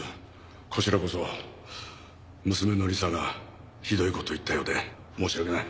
こちらこそ娘の理紗がひどいこと言ったようで申し訳ない。